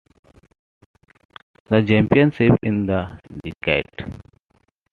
The championship in the decade.